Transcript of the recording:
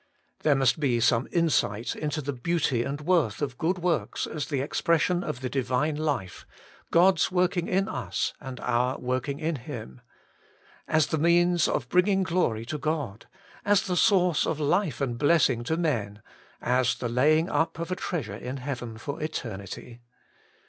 There must be some insight into the beauty and worth of good works as the expression of the Divine life — God's working in us and our working in Him; as the means of bringing glory to God; as the source of life and blessing to men ; as the laying up of a treasure in heaven for eternity.